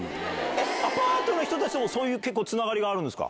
アパートの人たちとも、そういう結構、つながりがあるんですか？